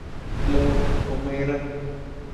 مور او مېره